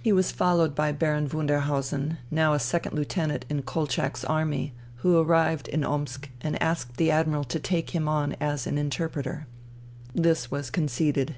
He was followed by Baron Wunderhausen, now a second lieutenant in Kolchak's Army, who arrived in Omsk and asked the Admiral to take him on as his inter preter. This was conceded.